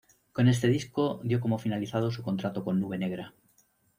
Con este disco dio como finalizado su contrato con Nube Negra.